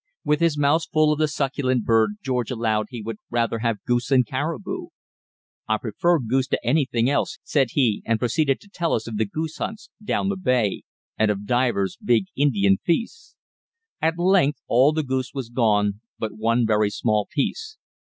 With his mouth full of the succulent bird, George allowed he would rather have goose than caribou. "I prefer goose to anything else," said he, and proceeded to tell us of goose hunts "down the bay" and of divers big Indian feasts. At length all the goose was gone but one very small piece.